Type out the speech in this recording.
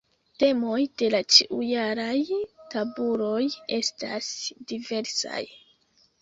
Temoj de la ĉiujaraj tabuloj estas diversaj.